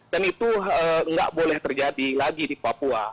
dan itu enggak boleh terjadi lagi di papua